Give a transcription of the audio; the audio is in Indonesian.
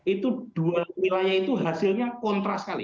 itu dua wilayah itu hasilnya kontras sekali